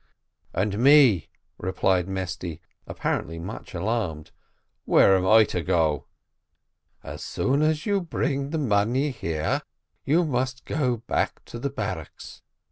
"And me," replied Mesty, apparently much alarmed, "where am I to go?" "As soon as you bring the money here, you must go back to the barracks.